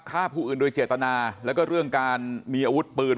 ฆ่าผู้อื่นโดยเจตนาแล้วก็เรื่องการมีอาวุธปืน